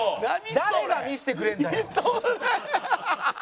誰が見せてくれるんだよ！